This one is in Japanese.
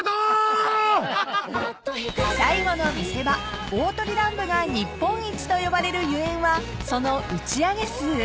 ［最後の見せ場鳳凰乱舞が日本一と呼ばれるゆえんはその打ち上げ数］